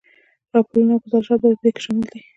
راپورونه او ګذارشات په دې کې شامل دي.